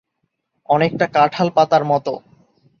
অনেকটা কাঁঠাল পাতার মতো।